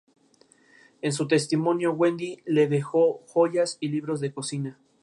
En algunas inscripciones se la llama tía materna de Antonino Pío.